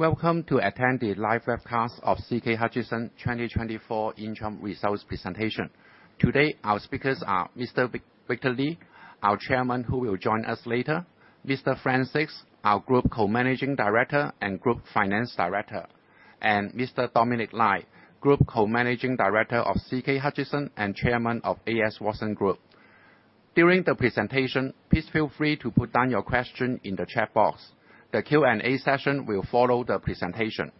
...Welcome to attend the live webcast of CK Hutchison 2024 interim results presentation. Today, our speakers are Mr. Victor Li, our Chairman, who will join us later, Mr. Frank Sixt, our Group Co-Managing Director and Group Finance Director, and Mr. Dominic Lai, Group Co-Managing Director of CK Hutchison and Chairman of AS Watson Group. During the presentation, please feel free to put down your question in the chat box. The Q&A session will follow the presentation.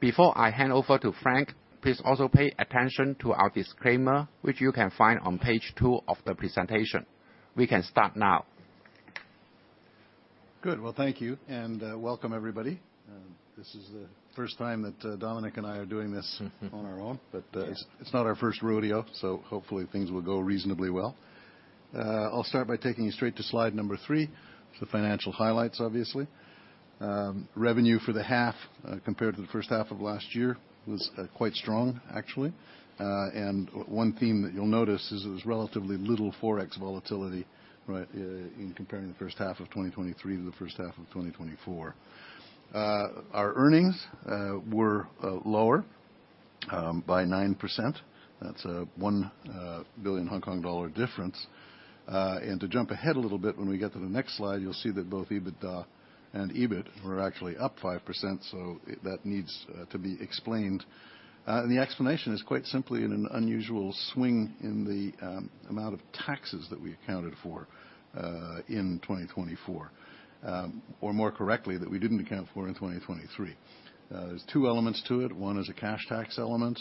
Before I hand over to Frank, please also pay attention to our disclaimer, which you can find on page 2 of the presentation. We can start now. Good. Well, thank you, and welcome, everybody. This is the first time that Dominic and I are doing this on our own, but it's not our first rodeo, so hopefully things will go reasonably well. I'll start by taking you straight to slide number three, the financial highlights, obviously. Revenue for the half compared to the first half of last year was quite strong, actually. And one theme that you'll notice is there was relatively little Forex volatility, right, in comparing the first half of 2023 to the first half of 2024. Our earnings were lower by 9%. That's a 1 billion Hong Kong dollar difference. And to jump ahead a little bit, when we get to the next slide, you'll see that both EBITDA and EBIT were actually up 5%, so that needs to be explained. And the explanation is quite simply an unusual swing in the amount of taxes that we accounted for in 2024. Or more correctly, that we didn't account for in 2023. There's two elements to it. One is a cash tax element,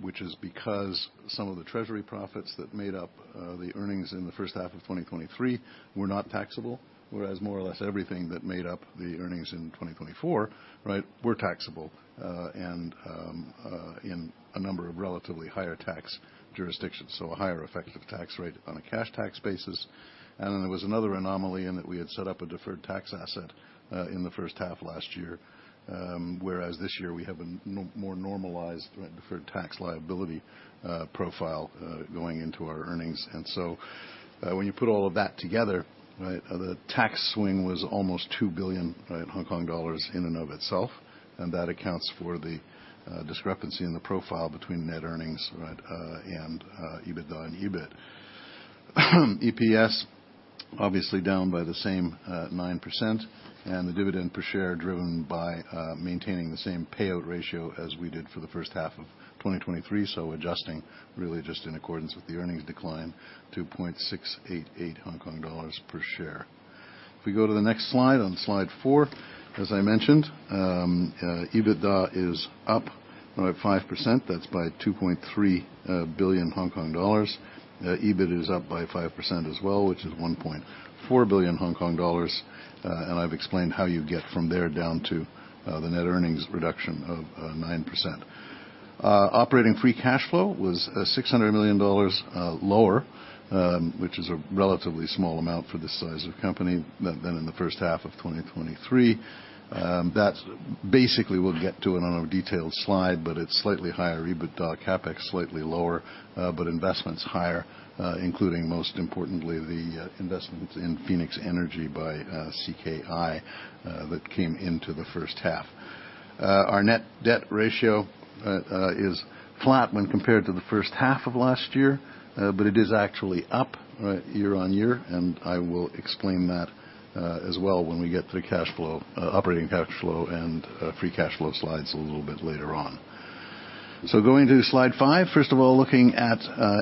which is because some of the treasury profits that made up the earnings in the first half of 2023 were not taxable, whereas more or less everything that made up the earnings in 2024, right, were taxable, and in a number of relatively higher tax jurisdictions, so a higher effective tax rate on a cash tax basis. And then there was another anomaly in that we had set up a deferred tax asset in the first half of last year, whereas this year, we have a now more normalized, right, deferred tax liability profile going into our earnings. And so, when you put all of that together, right, the tax swing was almost 2 billion, right, Hong Kong dollars in and of itself, and that accounts for the discrepancy in the profile between net earnings, right, and EBITDA and EBIT. EPS, obviously down by the same 9%, and the dividend per share driven by maintaining the same payout ratio as we did for the first half of 2023. So adjusting, really, just in accordance with the earnings decline to HKD 0.688 per share. If we go to the next slide, on slide 4, as I mentioned, EBITDA is up by 5%. That's 2.3 billion Hong Kong dollars. EBIT is up by 5% as well, which is 1.4 billion Hong Kong dollars, and I've explained how you get from there down to the net earnings reduction of 9%. Operating free cash flow was $600 million lower, which is a relatively small amount for this size of company than in the first half of 2023. That's basically, we'll get to it on a detailed slide, but it's slightly higher EBITDA, CapEx slightly lower, but investments higher, including, most importantly, the investment in Phoenix Energy by CKI that came into the first half. Our net debt ratio is flat when compared to the first half of last year, but it is actually up year-over-year, and I will explain that as well when we get to the cash flow, operating cash flow and free cash flow slides a little bit later on. So going to slide five. First of all, looking at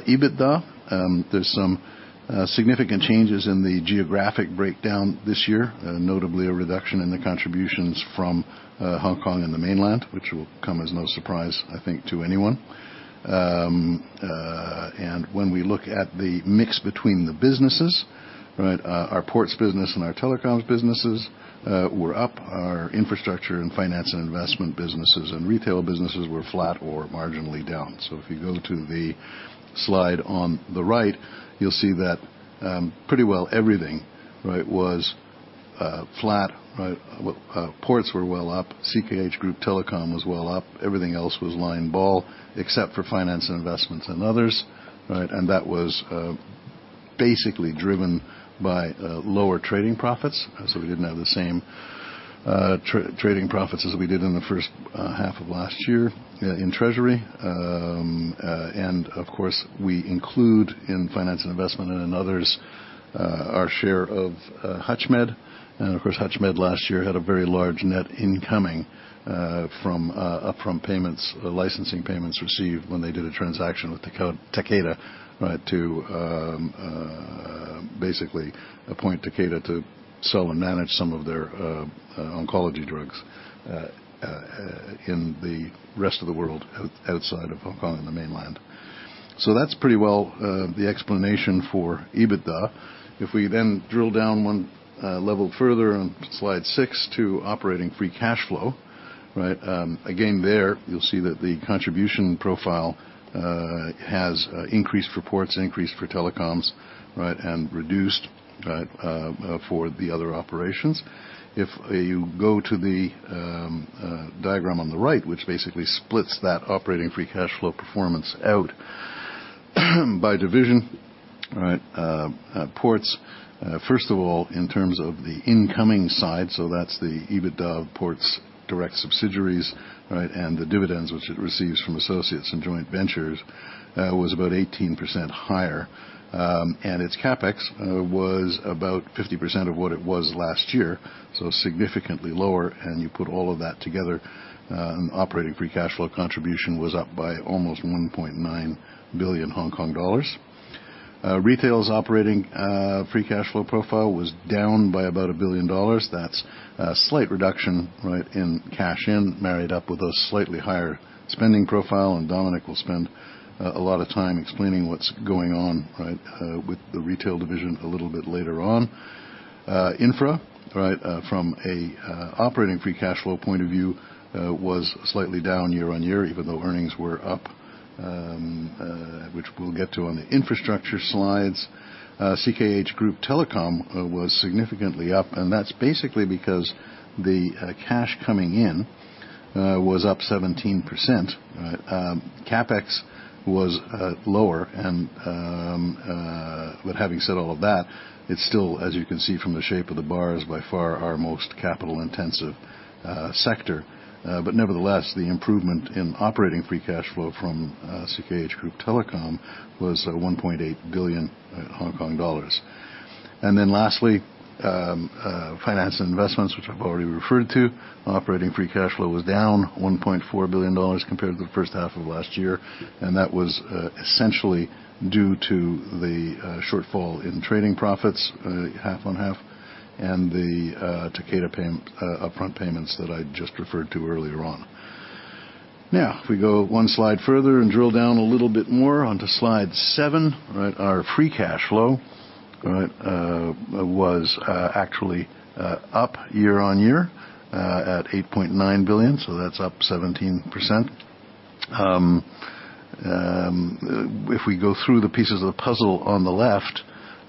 EBITDA, there's some significant changes in the geographic breakdown this year, notably a reduction in the contributions from Hong Kong and the Mainland, which will come as no surprise, I think, to anyone. And when we look at the mix between the businesses, right, our ports business and our telecoms businesses were up. Our infrastructure and finance and investment businesses and retail businesses were flat or marginally down. So if you go to the slide on the right, you'll see that pretty well everything, right, was flat, right? Ports were well up. CKH Group Telecom was well up. Everything else was lying flat, except for finance and investments and others, right, and that was basically driven by lower trading profits, so we didn't have the same trading profits as we did in the first half of last year in treasury. And of course, we include in finance and investment and in others our share of Hutchmed. Of course, HUTCHMED last year had a very large net incoming from upfront payments, licensing payments received when they did a transaction with Takeda, right, to basically appoint Takeda to sell and manage some of their oncology drugs in the rest of the world, outside of Hong Kong and the Mainland. So that's pretty well the explanation for EBITDA. If we then drill down 1 level further on slide 6 to operating free cash flow, right, again, there, you'll see that the contribution profile has increased for ports, increased for telecoms, right, and reduced, right, for the other operations. If you go to the diagram on the right, which basically splits that operating free cash flow performance out... By division, all right, ports, first of all, in terms of the incoming side, so that's the EBITDA ports, direct subsidiaries, right, and the dividends which it receives from associates and joint ventures, was about 18% higher. And its CapEx, was about 50% of what it was last year, so significantly lower, and you put all of that together, operating free cash flow contribution was up by almost 1.9 billion Hong Kong dollars. Retail's operating, free cash flow profile was down by about 1 billion dollars. That's a slight reduction, right, in cash in, married up with a slightly higher spending profile, and Dominic will spend, a lot of time explaining what's going on, right, with the retail division a little bit later on. Infra, right, from a operating free cash flow point of view, was slightly down year-on-year, even though earnings were up, which we'll get to on the infrastructure slides. CKH Group Telecom was significantly up, and that's basically because the cash coming in was up 17%. CapEx was lower and... But having said all of that, it's still, as you can see from the shape of the bars, by far our most capital-intensive sector. But nevertheless, the improvement in operating free cash flow from CKH Group Telecom was 1.8 billion Hong Kong dollars. Then lastly, finance and investments, which I've already referred to, operating free cash flow was down $1.4 billion compared to the first half of last year, and that was essentially due to the shortfall in trading profits half-on-half, and the Takeda upfront payments that I just referred to earlier on. Now, if we go one slide further and drill down a little bit more onto slide seven, right, our free cash flow, right, was actually up year-on-year at $8.9 billion, so that's up 17%. If we go through the pieces of the puzzle on the left,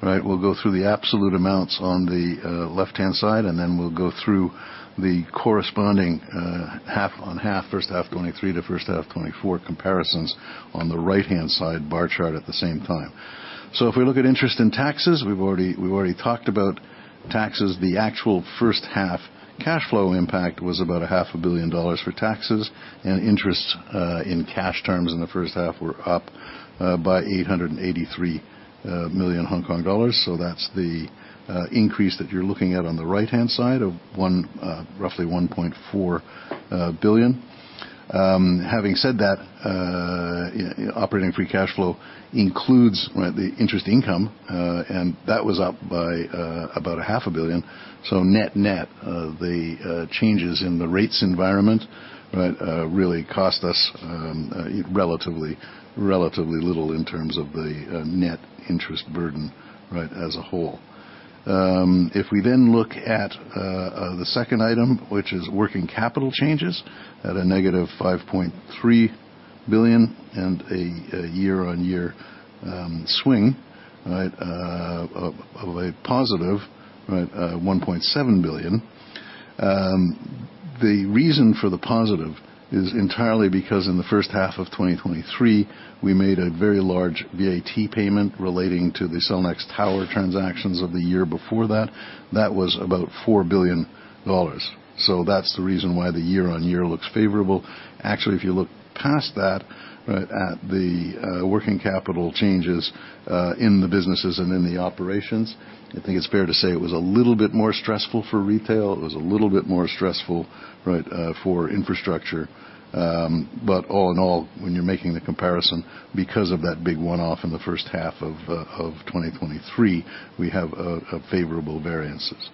right, we'll go through the absolute amounts on the left-hand side, and then we'll go through the corresponding half on half, first half 2023 to first half 2024 comparisons on the right-hand side bar chart at the same time. So if we look at interest and taxes, we've already, we've already talked about taxes. The actual first half cash flow impact was about $500 million for taxes, and interest in cash terms in the first half were up by 883 million Hong Kong dollars. So that's the increase that you're looking at on the right-hand side of roughly 1.4 billion. Having said that, operating free cash flow includes, right, the interest income, and that was up by about $500 million. So net-net, the changes in the rates environment, right, really cost us, relatively little in terms of the net interest burden, right, as a whole. If we then look at the second item, which is working capital changes at -$5.3 billion and a year-on-year swing, right, of a positive 1.7 billion. The reason for the positive is entirely because in the first half of 2023, we made a very large VAT payment relating to the Cellnex tower transactions of the year before that. That was about $4 billion. So that's the reason why the year-on-year looks favorable. Actually, if you look past that, right, at the working capital changes in the businesses and in the operations, I think it's fair to say it was a little bit more stressful for retail. It was a little bit more stressful, right, for infrastructure. But all in all, when you're making the comparison, because of that big one-off in the first half of 2023, we have a favorable variances.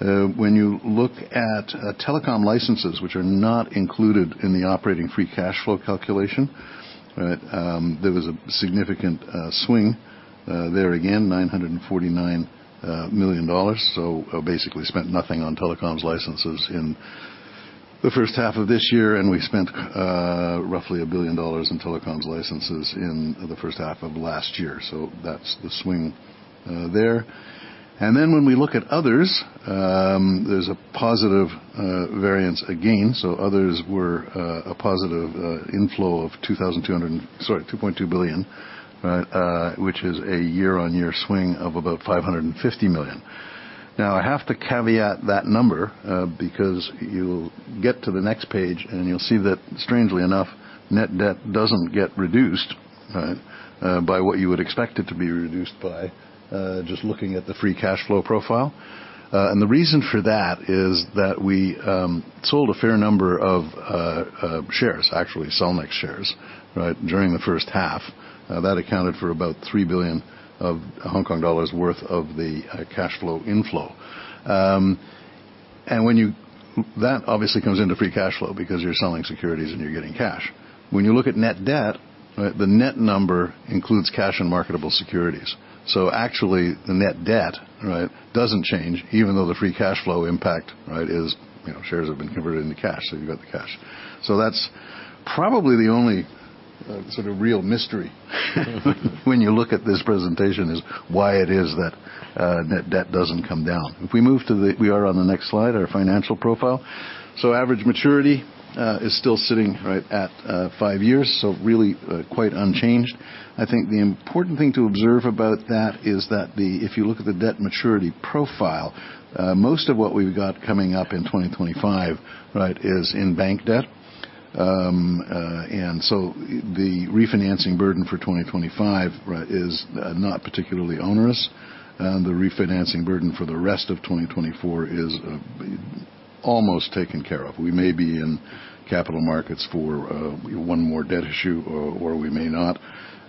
When you look at telecom licenses, which are not included in the operating free cash flow calculation, right, there was a significant swing there again, $949 million. So basically spent nothing on telecoms licenses in the first half of this year, and we spent roughly $1 billion in telecoms licenses in the first half of last year. So that's the swing, there. And then when we look at others, there's a positive variance again. So others were a positive inflow of 2.2 billion, right, which is a year-on-year swing of about 550 million. Now, I have to caveat that number, because you'll get to the next page, and you'll see that, strangely enough, net debt doesn't get reduced, right, by what you would expect it to be reduced by, just looking at the free cash flow profile. And the reason for that is that we sold a fair number of shares, actually, Cellnex shares, right, during the first half. That accounted for about 3 billion worth of the cash flow inflow. That obviously comes into free cash flow because you're selling securities and you're getting cash. When you look at net debt, right, the net number includes cash and marketable securities. So actually, the net debt, right, doesn't change, even though the free cash flow impact, right, is, you know, shares have been converted into cash, so you've got the cash. So that's probably the only sort of real mystery, when you look at this presentation, is why it is that net debt doesn't come down. If we move to the next slide, we are on our financial profile. So average maturity is still sitting right at five years, so really quite unchanged. I think the important thing to observe about that is that if you look at the debt maturity profile, most of what we've got coming up in 2025, right, is in bank debt. And so the refinancing burden for 2025, right, is not particularly onerous, and the refinancing burden for the rest of 2024 is almost taken care of. We may be in capital markets for one more debt issue or we may not.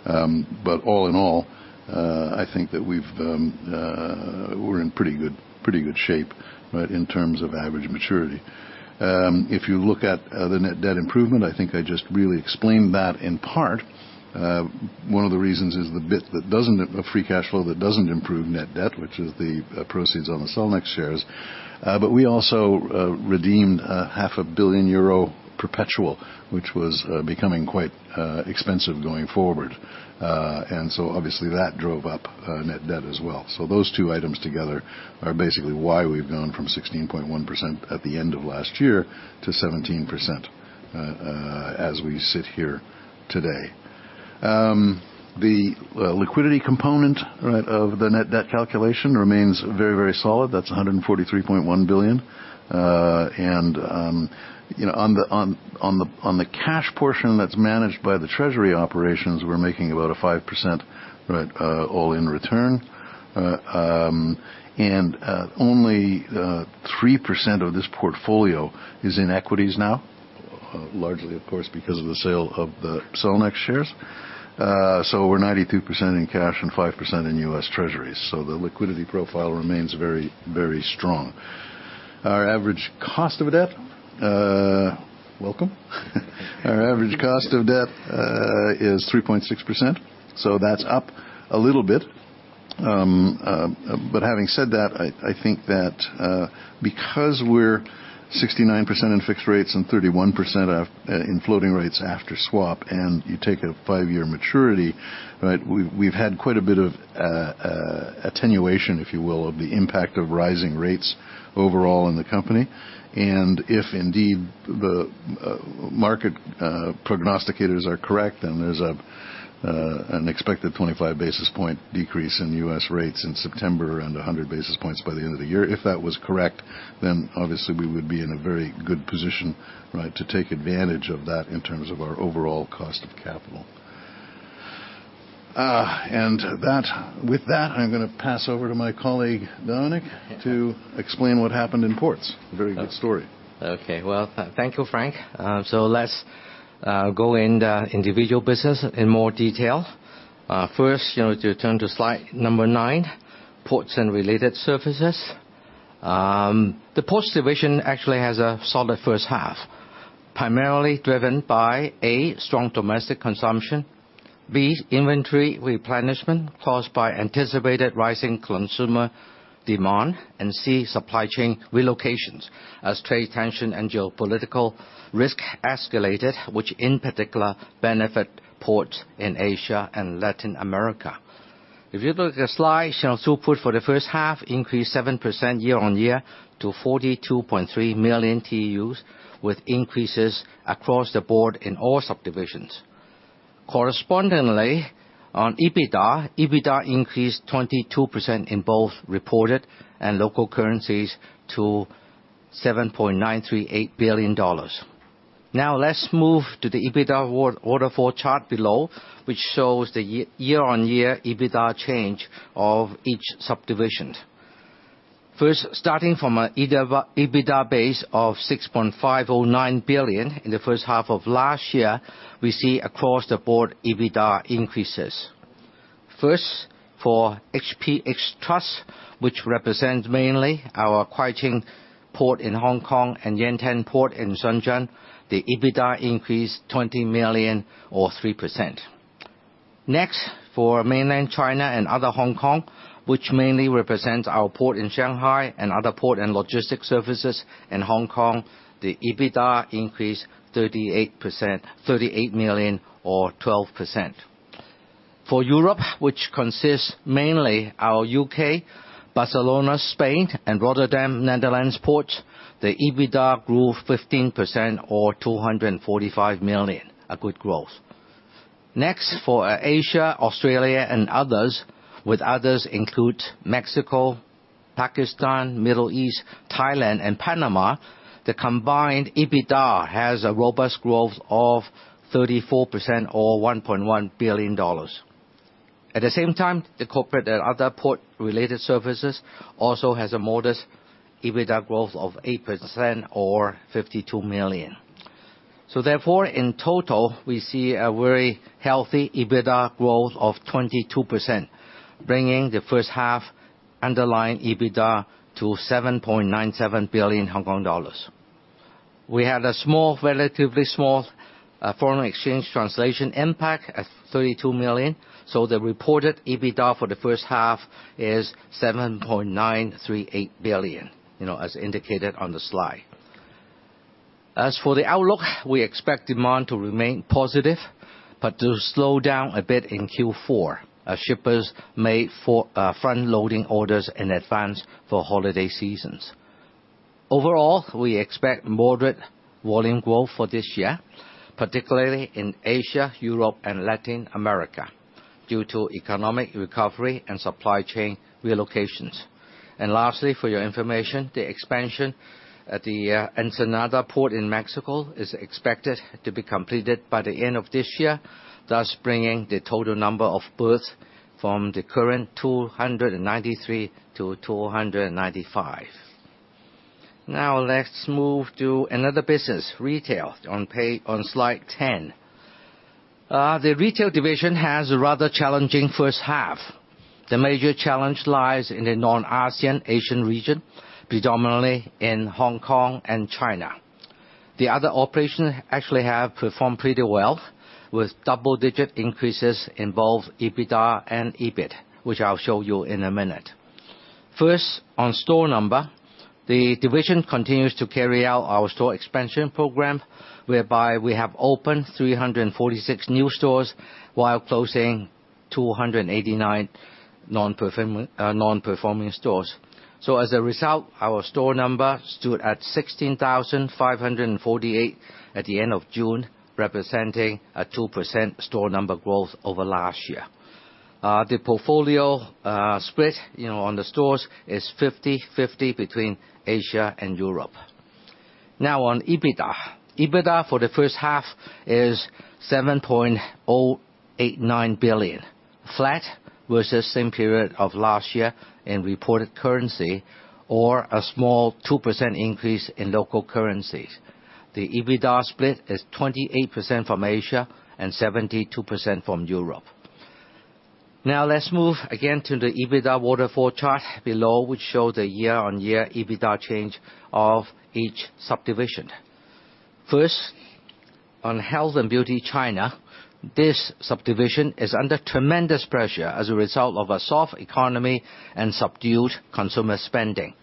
But all in all, I think that we're in pretty good, pretty good shape, right, in terms of average maturity. If you look at the net debt improvement, I think I just really explained that in part. One of the reasons is the bit that doesn't free cash flow that doesn't improve net debt, which is the proceeds on the Cellnex shares. But we also redeemed a half a billion euro perpetual, which was becoming quite expensive going forward. And so obviously, that drove up net debt as well. So those two items together are basically why we've gone from 16.1% at the end of last year to 17% as we sit here today. The liquidity component, right, of the net debt calculation remains very, very solid. That's 143.1 billion. And you know, on the cash portion that's managed by the treasury operations, we're making about 5%, right, all-in return. And only 3% of this portfolio is in equities now, largely of course, because of the sale of the Cellnex shares. So we're 92% in cash and 5% in US Treasuries, so the liquidity profile remains very, very strong. Our average cost of debt. Welcome. Our average cost of debt is 3.6%, so that's up a little bit. But having said that, I think that because we're 69% in fixed rates and 31% in floating rates after swap, and you take a 5-year maturity, right? We've had quite a bit of attenuation, if you will, of the impact of rising rates overall in the company. If indeed the market prognosticators are correct, then there's an expected 25 basis point decrease in U.S. rates in September and 100 basis points by the end of the year. If that was correct, then obviously we would be in a very good position, right, to take advantage of that in terms of our overall cost of capital. With that, I'm gonna pass over to my colleague, Dominic- Yeah. -to explain what happened in Ports. A very good story. Okay. Well, thank you, Frank. So let's go in the individual business in more detail. First, you know, to turn to slide number 9, Ports and Related Services. The Ports division actually has a solid first half, primarily driven by, A, strong domestic consumption, B, inventory replenishment caused by anticipated rising consumer demand, and C, supply chain relocations as trade tension and geopolitical risk escalated, which in particular benefit ports in Asia and Latin America. If you look at the slide, overall throughput for the first half increased 7% year-on-year to 42.3 million TEUs, with increases across the board in all subdivisions. Correspondingly, on EBITDA, EBITDA increased 22% in both reported and local currencies to $7.938 billion. Now, let's move to the EBITDA waterfall chart below, which shows the year-on-year EBITDA change of each subdivision. First, starting from an EBITDA base of 6.509 billion in the first half of last year, we see across the board EBITDA increases. First, for HPH Trust, which represents mainly our Kwai Ching Port in Hong Kong and Yantian Port in Shenzhen, the EBITDA increased 20 million or 3%. Next, for Mainland China and other Hong Kong, which mainly represents our port in Shanghai and other port and logistic services in Hong Kong, the EBITDA increased 38%--HKD 38 million or 12%. For Europe, which consists mainly our UK, Barcelona, Spain, and Rotterdam, Netherlands ports, the EBITDA grew 15% or 245 million, a good growth. Next, for Asia, Australia, and others, with others include Mexico, Pakistan, Middle East, Thailand, and Panama, the combined EBITDA has a robust growth of 34% or $1.1 billion. At the same time, the corporate and other port-related services also has a modest EBITDA growth of 8% or $52 million. So therefore, in total, we see a very healthy EBITDA growth of 22%, bringing the first half underlying EBITDA to 7.97 billion Hong Kong dollars. We had a small, relatively small, foreign exchange translation impact at 32 million, so the reported EBITDA for the first half is 7.938 billion, you know, as indicated on the slide. As for the outlook, we expect demand to remain positive, but to slow down a bit in Q4 as shippers made for front-loading orders in advance for holiday seasons. Overall, we expect moderate volume growth for this year, particularly in Asia, Europe, and Latin America, due to economic recovery and supply chain relocations. And lastly, for your information, the expansion at the Ensenada port in Mexico is expected to be completed by the end of this year, thus bringing the total number of berths from the current 293 to 295. Now, let's move to another business, retail, on page, on Slide 10. The retail division has a rather challenging first half. The major challenge lies in the non-ASEAN Asian region, predominantly in Hong Kong and China. The other operations actually have performed pretty well, with double-digit increases in both EBITDA and EBIT, which I'll show you in a minute. First, on store number, the division continues to carry out our store expansion program, whereby we have opened 346 new stores while closing 289 non-performing stores. As a result, our store number stood at 16,548 at the end of June, representing a 2% store number growth over last year. The portfolio split, you know, on the stores is 50/50 between Asia and Europe. Now on EBITDA. EBITDA for the first half is 7.089 billion, flat versus same period of last year in reported currency or a small 2% increase in local currencies. The EBITDA split is 28% from Asia and 72% from Europe. Now, let's move again to the EBITDA waterfall chart below, which shows the year-on-year EBITDA change of each subdivision. First, on Health and Beauty China, this subdivision is under tremendous pressure as a result of a soft economy and subdued consumer spending.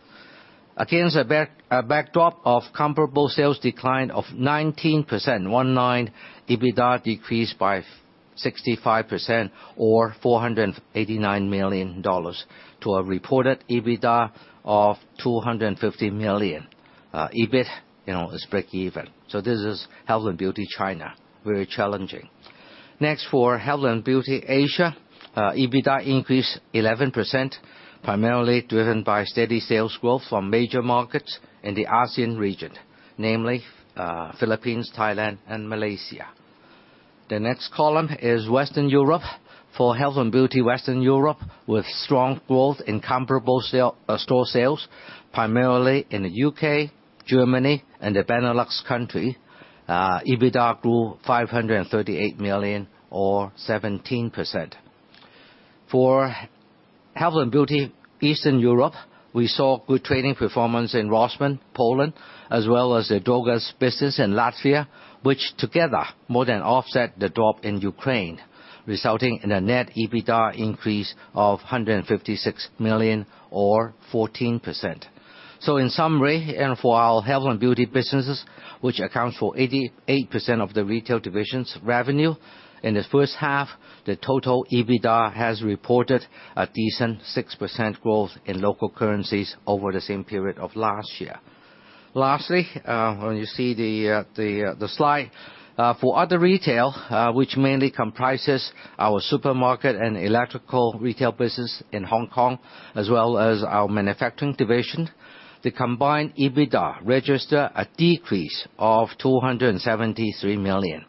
Against a backdrop of comparable sales decline of 19%, EBITDA decreased by 65% or $489 million to a reported EBITDA of $250 million. EBIT, you know, is breakeven. So this is Health and Beauty China, very challenging. Next, for Health and Beauty Asia, EBITDA increased 11%, primarily driven by steady sales growth from major markets in the ASEAN region, namely, Philippines, Thailand, and Malaysia. The next column is Western Europe. For Health and Beauty Western Europe, with strong growth in comparable store sales, primarily in the U.K., Germany, and the Benelux country, EBITDA grew $538 million or 17%. For Health and Beauty Eastern Europe, we saw good trading performance in Rossmann, Poland, as well as the Drogas business in Latvia, which together more than offset the drop in Ukraine, resulting in a net EBITDA increase of 156 million or 14%. So in summary, and for our health and beauty businesses, which accounts for 88% of the retail division's revenue, in the first half, the total EBITDA has reported a decent 6% growth in local currencies over the same period of last year. Lastly, when you see the slide for other retail, which mainly comprises our supermarket and electrical retail business in Hong Kong, as well as our manufacturing division, the combined EBITDA registered a decrease of 273 million.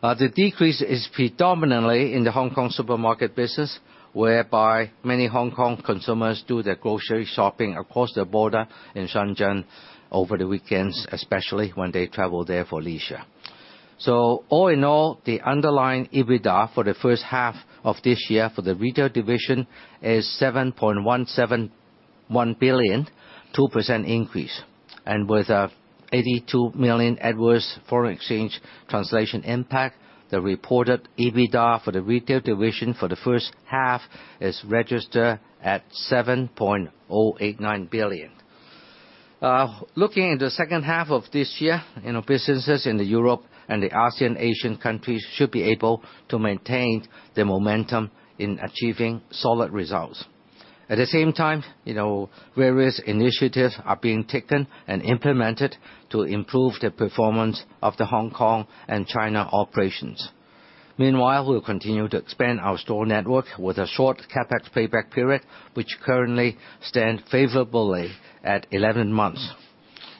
The decrease is predominantly in the Hong Kong supermarket business, whereby many Hong Kong consumers do their grocery shopping across the border in Shenzhen over the weekends, especially when they travel there for leisure. So all in all, the underlying EBITDA for the first half of this year for the retail division is 7.171 billion, 2% increase, and with 82 million adverse foreign exchange translation impact, the reported EBITDA for the retail division for the first half is registered at 7.089 billion. Looking into the second half of this year, you know, businesses in Europe and the ASEAN Asian countries should be able to maintain the momentum in achieving solid results. At the same time, you know, various initiatives are being taken and implemented to improve the performance of the Hong Kong and China operations. Meanwhile, we'll continue to expand our store network with a short CapEx payback period, which currently stands favorably at 11 months.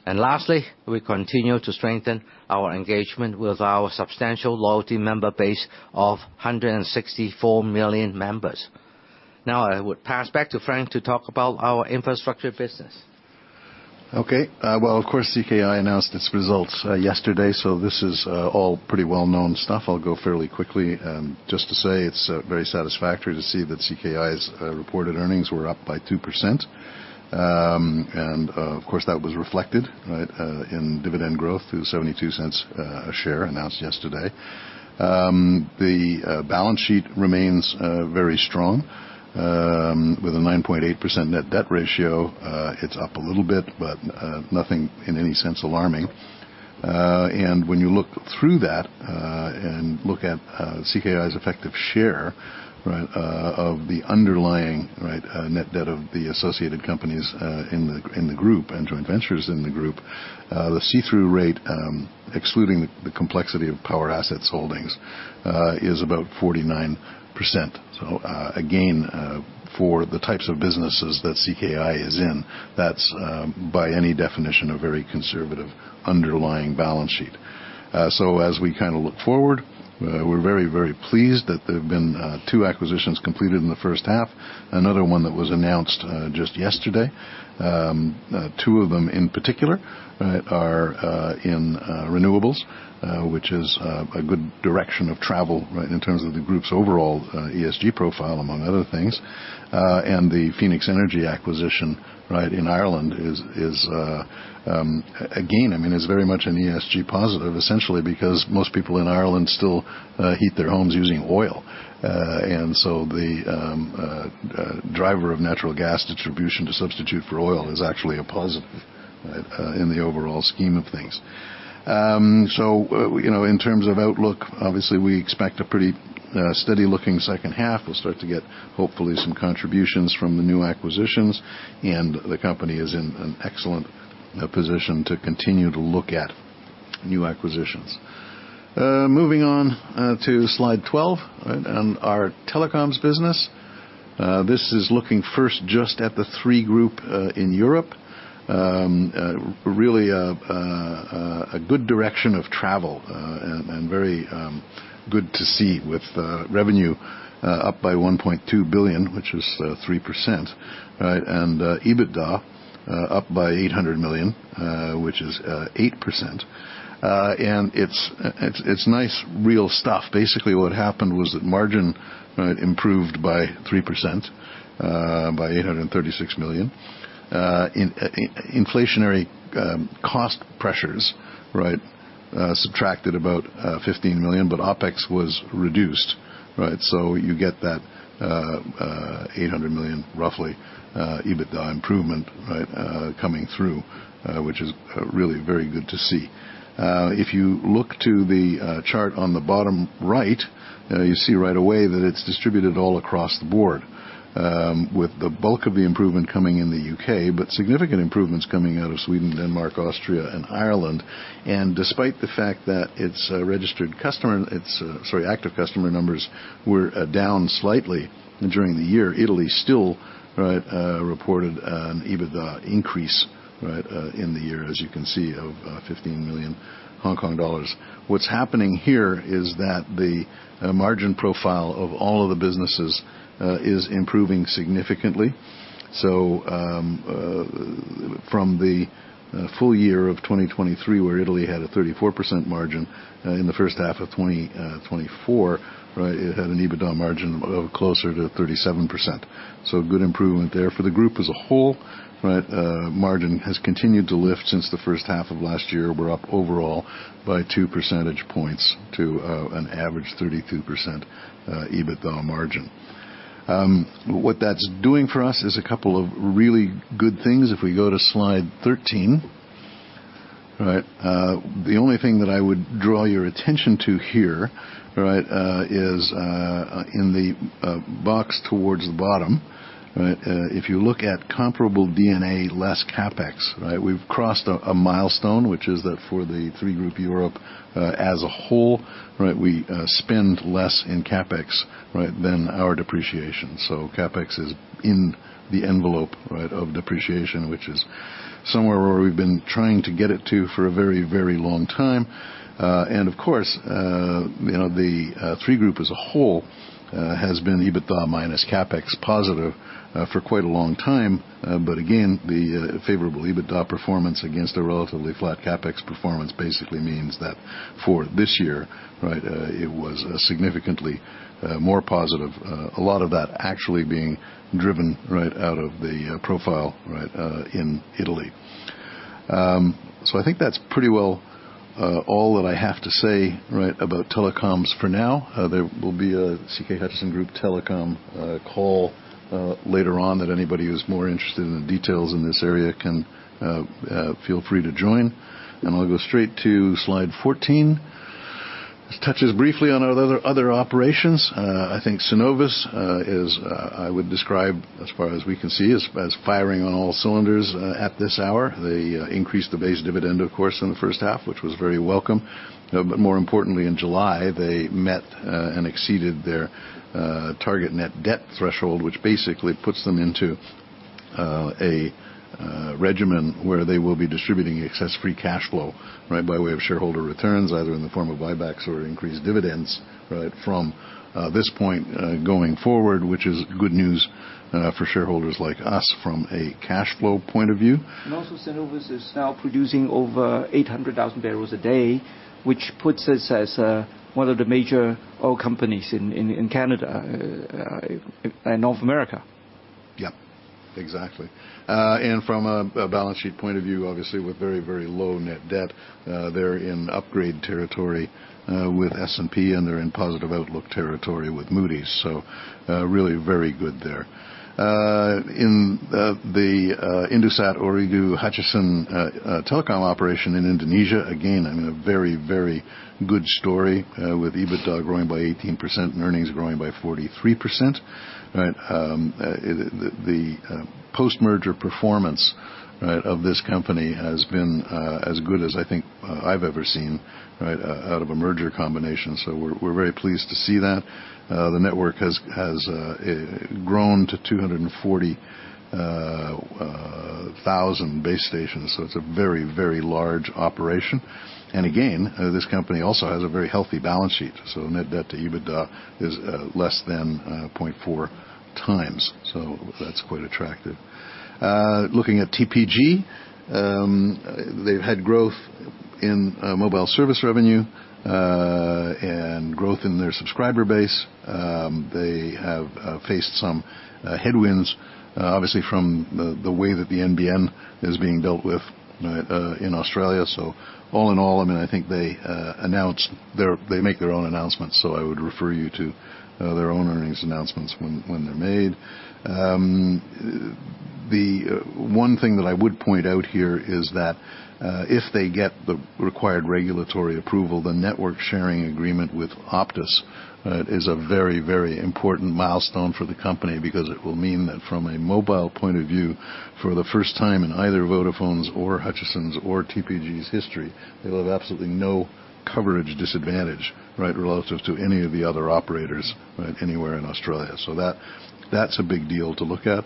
And lastly, we continue to strengthen our engagement with our substantial loyalty member base of 164 million members. Now, I would pass back to Frank to talk about our infrastructure business. Okay. Well, of course, CKI announced its results yesterday, so this is all pretty well-known stuff. I'll go fairly quickly. Just to say, it's very satisfactory to see that CKI's reported earnings were up by 2%. And, of course, that was reflected, right, in dividend growth through 0.72 a share announced yesterday. The balance sheet remains very strong, with a 9.8% net debt ratio. It's up a little bit, but nothing in any sense alarming. And when you look through that, and look at CKI's effective share, right, of the underlying, right, net debt of the associated companies in the group, and joint ventures in the group, the see-through rate, excluding the complexity of Power Assets Holdings, is about 49%. So, again, for the types of businesses that CKI is in, that's, by any definition, a very conservative underlying balance sheet. So as we kind of look forward, we're very, very pleased that there have been two acquisitions completed in the first half, another one that was announced just yesterday. Two of them in particular, right, are in renewables, which is a good direction of travel, right, in terms of the group's overall ESG profile, among other things. And the Phoenix Energy acquisition, right, in Ireland is, again, I mean, is very much an ESG positive, essentially because most people in Ireland still heat their homes using oil. And so the driver of natural gas distribution to substitute for oil is actually a positive in the overall scheme of things. So, you know, in terms of outlook, obviously, we expect a pretty steady-looking second half. We'll start to get, hopefully, some contributions from the new acquisitions, and the company is in an excellent position to continue to look at new acquisitions. Moving on to Slide 12, and our telecoms business. This is looking first just at the Three Group in Europe. Really, a good direction of travel, and very good to see with revenue up by 1.2 billion, which is 3%, right? And EBITDA up by 800 million, which is 8%. And it's nice real stuff. Basically, what happened was that margin, right, improved by 3% by 836 million. Inflationary cost pressures, right, subtracted about 15 million, but OpEx was reduced, right? So you get that 800 million, roughly, EBITDA improvement, right, coming through, which is really very good to see. If you look to the chart on the bottom right, you see right away that it's distributed all across the board, with the bulk of the improvement coming in the UK, but significant improvements coming out of Sweden, Denmark, Austria, and Ireland. And despite the fact that its active customer numbers were down slightly during the year, Italy still reported an EBITDA increase in the year, as you can see, of 15 million Hong Kong dollars. What's happening here is that the margin profile of all of the businesses is improving significantly. From the full year of 2023, where Italy had a 34% margin, in the first half of 2024, it had an EBITDA margin of closer to 37%. So good improvement there. For the group as a whole, right, margin has continued to lift since the first half of last year. We're up overall by two percentage points to an average 32% EBITDA margin. What that's doing for us is a couple of really good things. If we go to slide 13, right, the only thing that I would draw your attention to here, right, is in the box towards the bottom, right? If you look at comparable D&A less CapEx, right, we've crossed a milestone, which is that for the Three Group Europe, as a whole, right, we spend less in CapEx, right, than our depreciation. So CapEx is in the envelope, right, of depreciation, which is somewhere where we've been trying to get it to for a very, very long time. And of course, you know, the Three Group as a whole has been EBITDA minus CapEx positive for quite a long time. But again, the favorable EBITDA performance against a relatively flat CapEx performance basically means that for this year, right, it was a significantly more positive, a lot of that actually being driven right out of the profile, right, in Italy. So I think that's pretty well all that I have to say, right, about telecoms for now. There will be a CK Hutchison Group telecom call later on, that anybody who's more interested in the details in this area can feel free to join. I'll go straight to slide 14. This touches briefly on our other operations. I think Cenovus is, as far as we can see, firing on all cylinders at this hour. They increased the base dividend, of course, in the first half, which was very welcome. But more importantly, in July, they met and exceeded their target net debt threshold, which basically puts them into a regimen where they will be distributing excess free cash flow, right, by way of shareholder returns, either in the form of buybacks or increased dividends, right, from this point going forward, which is good news for shareholders like us from a cash flow point of view. Also, Cenovus is now producing over 800,000 barrels a day, which puts us as one of the major oil companies in Canada and North America.... Yep, exactly. And from a balance sheet point of view, obviously, with very, very low net debt, they're in upgrade territory with S&P, and they're in positive outlook territory with Moody's. So, really very good there. In the Indosat Ooredoo Hutchison telecom operation in Indonesia, again, I mean, a very, very good story with EBITDA growing by 18% and earnings growing by 43%, right? The post-merger performance, right, of this company has been as good as I think I've ever seen, right, out of a merger combination. So we're very pleased to see that. The network has grown to 240,000 base stations, so it's a very, very large operation. Again, this company also has a very healthy balance sheet, so net debt to EBITDA is less than 0.4x. So that's quite attractive. Looking at TPG, they've had growth in mobile service revenue and growth in their subscriber base. They have faced some headwinds, obviously from the way that the NBN is being dealt with in Australia. So all in all, I mean, I think they make their own announcements, so I would refer you to their own earnings announcements when they're made. The one thing that I would point out here is that, if they get the required regulatory approval, the network sharing agreement with Optus is a very, very important milestone for the company. Because it will mean that from a mobile point of view, for the first time in either Vodafone's or Hutchison's or TPG's history, they'll have absolutely no coverage disadvantage, right, relative to any of the other operators, right, anywhere in Australia. So that, that's a big deal to look at.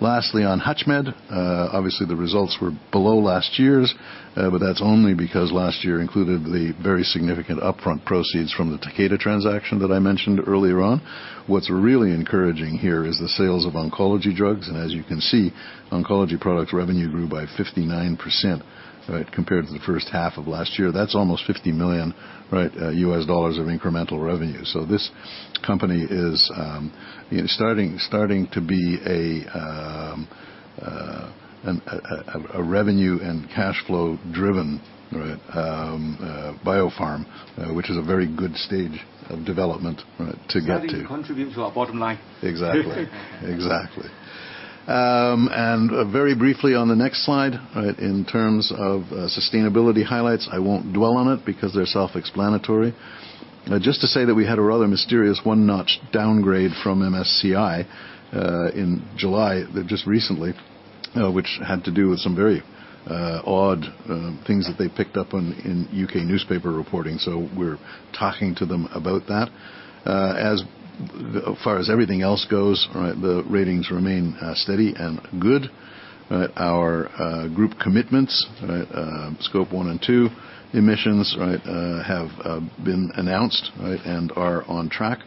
Lastly, on HUTCHMED, obviously, the results were below last year's, but that's only because last year included the very significant upfront proceeds from the Takeda transaction that I mentioned earlier on. What's really encouraging here is the sales of oncology drugs, and as you can see, oncology products revenue grew by 59%, right, compared to the first half of last year. That's almost $50 million, right, of incremental revenue. So this company is starting to be a revenue and cash flow driven, right, biopharm, which is a very good stage of development, right, to get to. Starting to contribute to our bottom line. Exactly. Exactly. And very briefly on the next slide, right, in terms of sustainability highlights, I won't dwell on it because they're self-explanatory. Just to say that we had a rather mysterious one-notch downgrade from MSCI in July, just recently, which had to do with some very odd things that they picked up on in U.K. newspaper reporting, so we're talking to them about that. As far as everything else goes, right, the ratings remain steady and good, right? Our group commitments, right, Scope 1 and 2 emissions, right, have been announced, right, and are on track.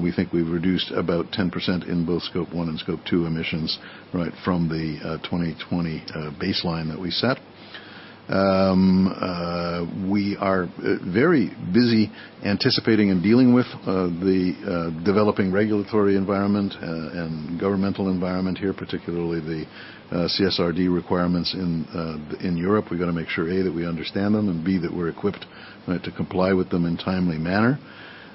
We think we've reduced about 10% in both Scope 1 and Scope 2 emissions, right, from the 2020 baseline that we set. We are very busy anticipating and dealing with the developing regulatory environment and governmental environment here, particularly the CSRD requirements in Europe. We've got to make sure, A, that we understand them, and B, that we're equipped, right, to comply with them in a timely manner.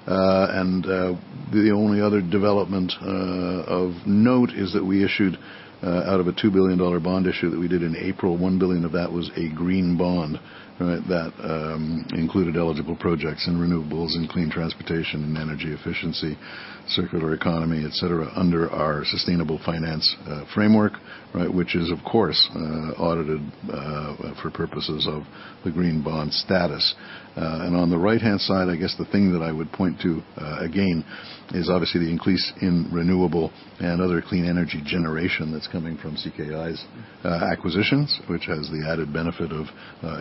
The only other development of note is that we issued, out of a $2 billion bond issue that we did in April, $1 billion of that was a green bond, right? That included eligible projects in renewables and clean transportation and energy efficiency, circular economy, et cetera, under our sustainable finance framework, right? Which is, of course, audited for purposes of the green bond status. And on the right-hand side, I guess the thing that I would point to, again, is obviously the increase in renewable and other clean energy generation that's coming from CKI's acquisitions, which has the added benefit of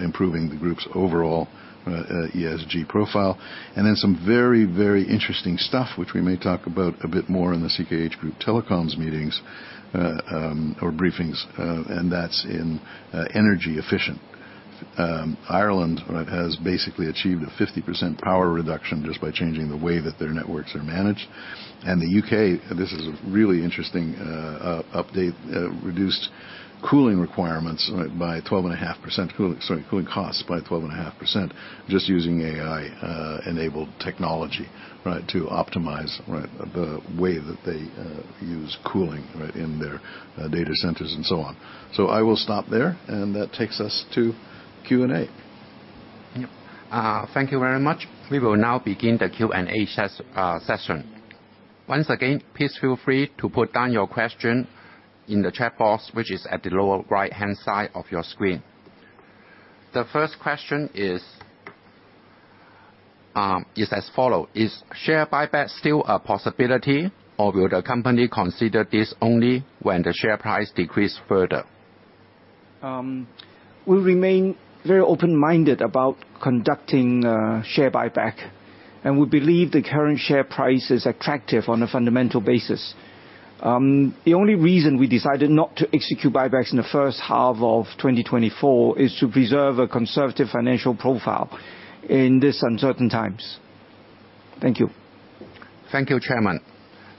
improving the group's overall ESG profile. And then some very, very interesting stuff, which we may talk about a bit more in the CKH Group telecoms meetings or briefings, and that's in energy efficient. Ireland, right, has basically achieved a 50% power reduction just by changing the way that their networks are managed. The UK, this is a really interesting update, reduced cooling requirements, right, by 12.5%, cooling, sorry, cooling costs by 12.5%, just using AI-enabled technology, right, to optimize, right, the way that they use cooling, right, in their data centers and so on. So I will stop there, and that takes us to Q&A. Thank you very much. We will now begin the Q&A session. Once again, please feel free to put down your question in the chat box, which is at the lower right-hand side of your screen. The first question is as follows: Is share buyback still a possibility, or will the company consider this only when the share price decrease further? We remain very open-minded about conducting share buyback, and we believe the current share price is attractive on a fundamental basis. The only reason we decided not to execute buybacks in the first half of 2024 is to preserve a conservative financial profile in this uncertain times.... Thank you. Thank you, Chairman.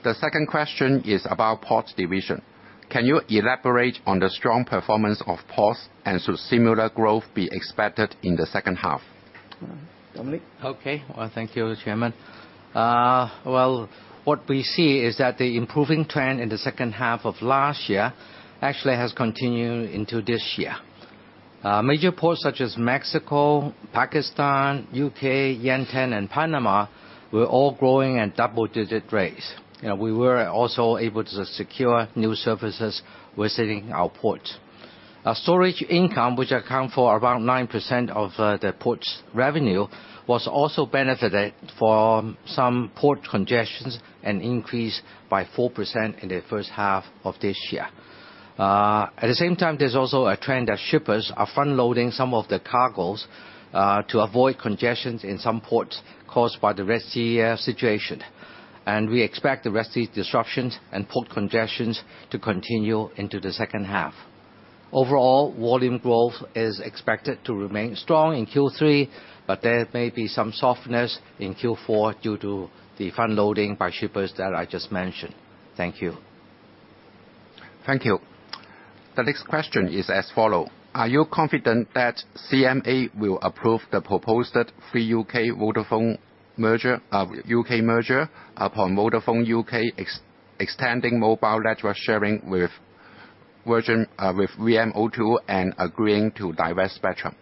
The second question is about port division. Can you elaborate on the strong performance of ports, and should similar growth be expected in the second half? Dominic? Okay. Well, thank you, Chairman. Well, what we see is that the improving trend in the second half of last year actually has continued into this year. Major ports such as Mexico, Pakistan, UK, Yantian, and Panama were all growing at double-digit rates. You know, we were also able to secure new services visiting our ports. Our storage income, which account for around 9% of the port's revenue, was also benefited from some port congestions and increased by 4% in the first half of this year. At the same time, there's also a trend that shippers are front-loading some of the cargoes to avoid congestions in some ports caused by the Red Sea situation. And we expect the Red Sea disruptions and port congestions to continue into the second half. Overall, volume growth is expected to remain strong in Q3, but there may be some softness in Q4 due to the front-loading by shippers that I just mentioned. Thank you. Thank you. The next question is as follows: Are you confident that CMA will approve the proposed Three UK Vodafone merger upon Vodafone UK extending mobile network sharing with VMO2 and agreeing to divest spectrum?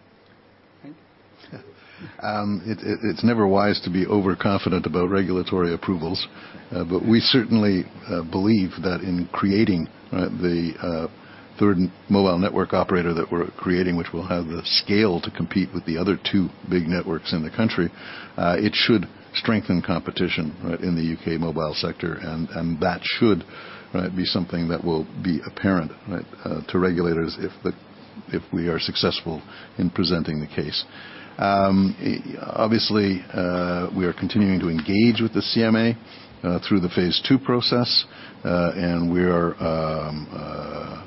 It's never wise to be overconfident about regulatory approvals. But we certainly believe that in creating the third mobile network operator that we're creating, which will have the scale to compete with the other two big networks in the country, it should strengthen competition, right, in the UK mobile sector, and that should, right, be something that will be apparent, right, to regulators, if we are successful in presenting the case. Obviously, we are continuing to engage with the CMA through the phase two process, and we are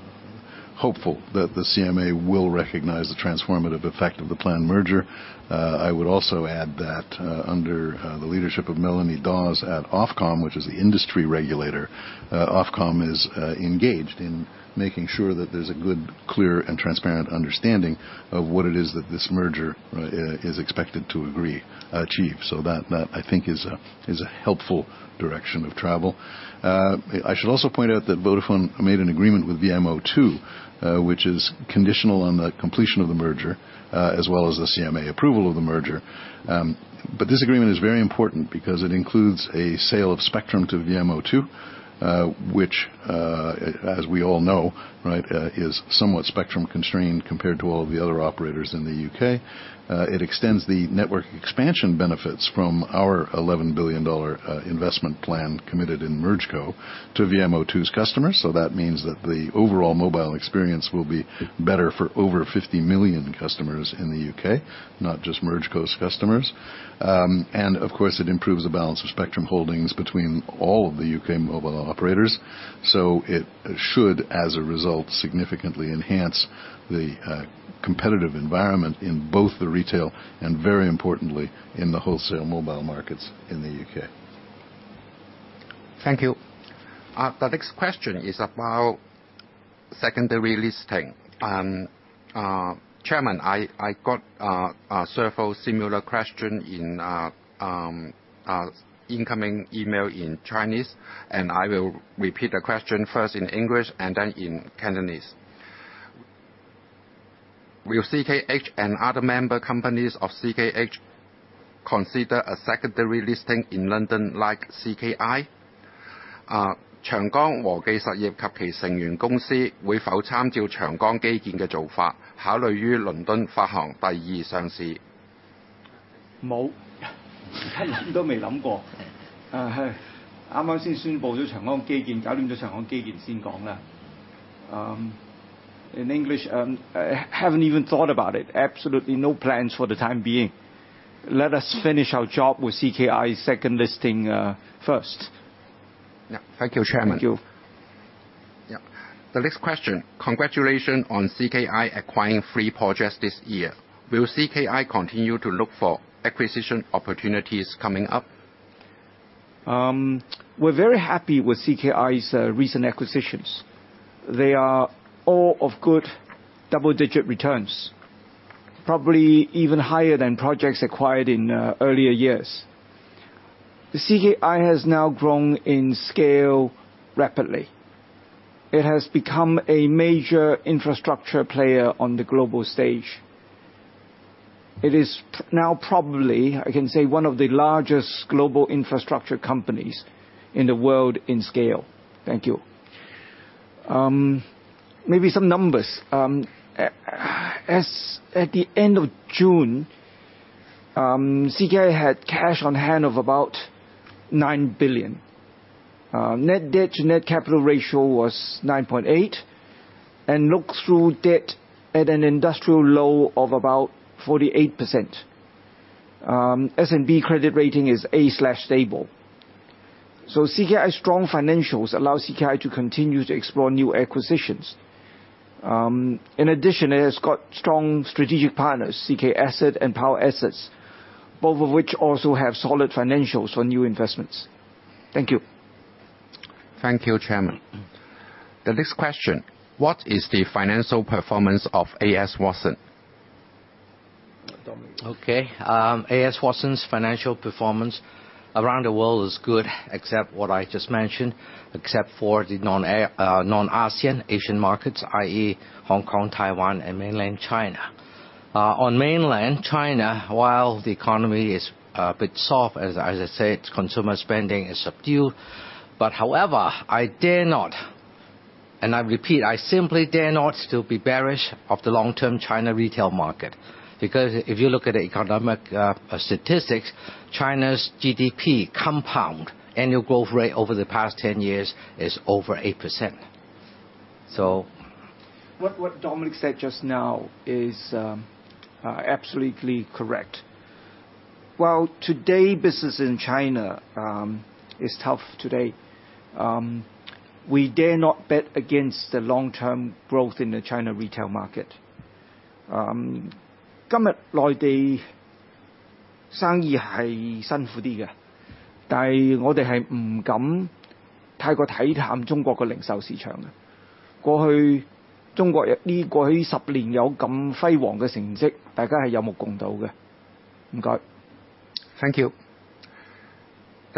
hopeful that the CMA will recognize the transformative effect of the planned merger. I would also add that under the leadership of Melanie Dawes at Ofcom, which is the industry regulator, Ofcom is engaged in making sure that there's a good, clear, and transparent understanding of what it is that this merger is expected to agree achieve. So that I think is a helpful direction of travel. I should also point out that Vodafone made an agreement with VMO2, which is conditional on the completion of the merger, as well as the CMA approval of the merger. But this agreement is very important because it includes a sale of spectrum to VMO2, which, as we all know, right, is somewhat spectrum constrained compared to all of the other operators in the UK. It extends the network expansion benefits from our $11 billion investment plan committed in MergeCo to VMO2's customers, so that means that the overall mobile experience will be better for over 50 million customers in the UK, not just MergeCo's customers. Of course, it improves the balance of spectrum holdings between all of the UK mobile operators, so it should, as a result, significantly enhance the competitive environment in both the retail and, very importantly, in the wholesale mobile markets in the UK. Thank you. The next question is about secondary listing. Chairman, I got a several similar question in incoming email in Chinese, and I will repeat the question first in English and then in Cantonese. Will CKH and other member companies of CKH consider a secondary listing in London like CKI? In English, I haven't even thought about it. Absolutely no plans for the time being. Let us finish our job with CKI's second listing, first. Yeah. Thank you, Chairman. Thank you. Yeah. The next question: Congratulations on CKI acquiring 3 projects this year. Will CKI continue to look for acquisition opportunities coming up? We're very happy with CKI's recent acquisitions. They are all of good double-digit returns, probably even higher than projects acquired in earlier years. CKI has now grown in scale rapidly. It has become a major infrastructure player on the global stage. It is now probably, I can say, one of the largest global infrastructure companies in the world in scale. Thank you. Maybe some numbers. At the end of June, CKI had cash on hand of about 9 billion. Net debt to net capital ratio was 9.8, and look-through debt at an industrial low of about 48%. S&P credit rating is A/stable.... CKI's strong financials allow CKI to continue to explore new acquisitions. In addition, it has got strong strategic partners, CK Asset and Power Assets, both of which also have solid financials for new investments. Thank you. Thank you, Chairman. The next question: What is the financial performance of A.S. Watson? Okay. A.S. Watson's financial performance around the world is good, except what I just mentioned, except for the non-ASEAN Asian markets, i.e., Hong Kong, Taiwan, and Mainland China. On Mainland China, while the economy is a bit soft, as I said, consumer spending is subdued. But however, I dare not, and I repeat, I simply dare not still be bearish of the long-term China retail market, because if you look at the economic statistics, China's GDP compound annual growth rate over the past 10 years is over 8%. So- What Dominic said just now is absolutely correct. While today business in China is tough today, we dare not bet against the long-term growth in the China retail market. Thank you. The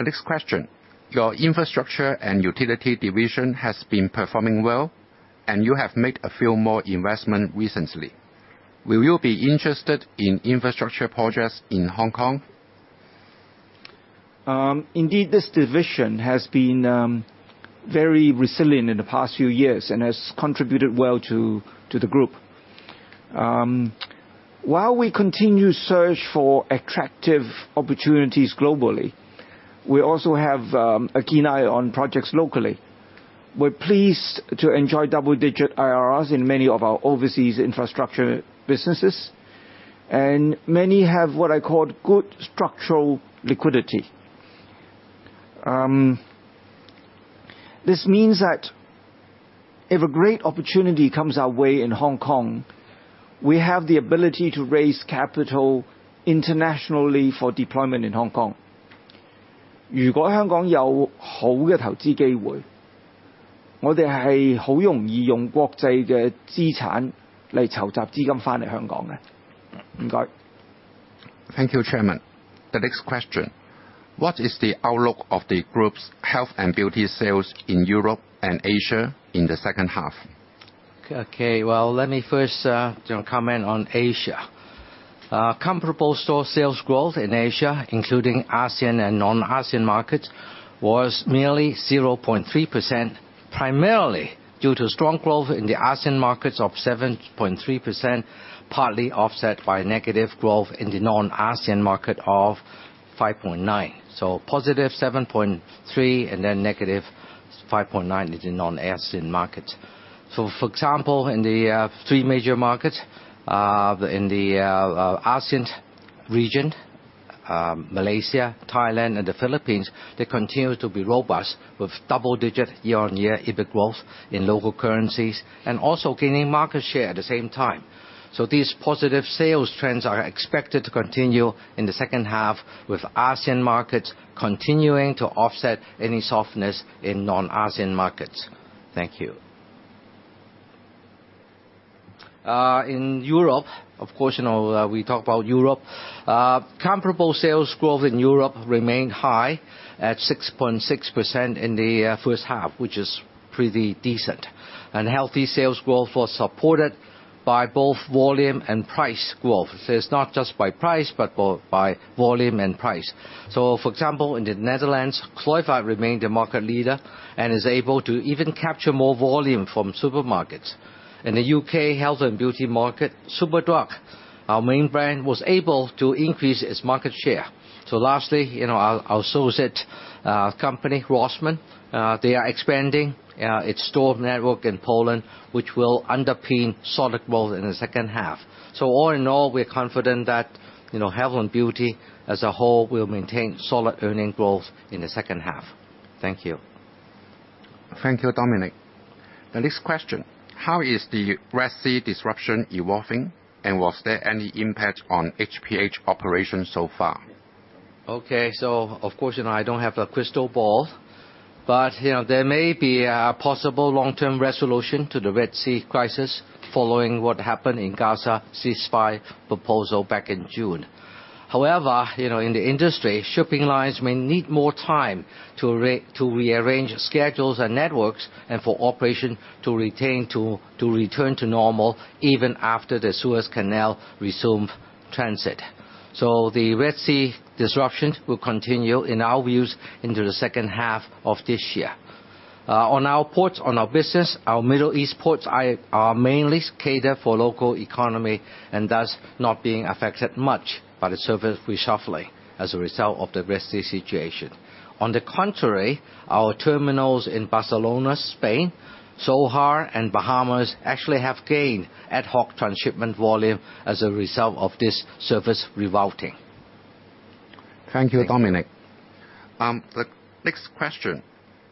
next question: Your infrastructure and utility division has been performing well, and you have made a few more investments recently. Will you be interested in infrastructure projects in Hong Kong? Indeed, this division has been very resilient in the past few years and has contributed well to the group. While we continue search for attractive opportunities globally, we also have a keen eye on projects locally. We're pleased to enjoy double-digit IRRs in many of our overseas infrastructure businesses, and many have what I call good structural liquidity. This means that if a great opportunity comes our way in Hong Kong, we have the ability to raise capital internationally for deployment in Hong Kong. Thank you, Chairman. The next question: What is the outlook of the group's health and beauty sales in Europe and Asia in the second half? Okay. Well, let me first, you know, comment on Asia. Comparable store sales growth in Asia, including ASEAN and non-ASEAN markets, was merely 0.3%, primarily due to strong growth in the ASEAN markets of 7.3%, partly offset by negative growth in the non-ASEAN market of 5.9%. So positive 7.3, and then negative 5.9 in the non-ASEAN markets. So for example, in the three major markets in the ASEAN region, Malaysia, Thailand, and the Philippines, they continue to be robust, with double-digit year-on-year EBIT growth in local currencies, and also gaining market share at the same time. So these positive sales trends are expected to continue in the second half, with ASEAN markets continuing to offset any softness in non-ASEAN markets. Thank you. In Europe, of course, you know, we talk about Europe. Comparable sales growth in Europe remained high at 6.6% in the first half, which is pretty decent. Healthy sales growth was supported by both volume and price growth. So it's not just by price, but by volume and price. So for example, in the Netherlands, Kruidvat remained the market leader and is able to even capture more volume from supermarkets. In the UK health and beauty market, Superdrug, our main brand, was able to increase its market share. So lastly, you know, our associate company, Rossmann, they are expanding its store network in Poland, which will underpin solid growth in the second half. So all in all, we're confident that, you know, health and beauty as a whole will maintain solid earnings growth in the second half. Thank you. Thank you, Dominic. The next question: How is the Red Sea disruption evolving, and was there any impact on HPH operations so far? Okay. So of course, you know, I don't have a crystal ball, but, you know, there may be a possible long-term resolution to the Red Sea crisis following what happened in Gaza, ceasefire proposal back in June. However, you know, in the industry, shipping lines may need more time to rearrange schedules and networks and for operation to return to normal, even after the Suez Canal resumed transit. So the Red Sea disruption will continue, in our views, into the second half of this year. On our ports, on our business, our Middle East ports are mainly cater for local economy and thus not being affected much by the service reshuffling as a result of the risky situation. On the contrary, our terminals in Barcelona, Spain, Sohar and Bahamas actually have gained ad hoc transshipment volume as a result of this service rerouting.... Thank you, Dominic. The next question: